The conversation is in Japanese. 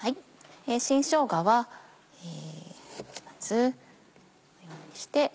新しょうがはまずこのようにして。